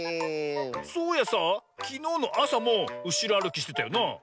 そういやさあきのうのあさもうしろあるきしてたよな。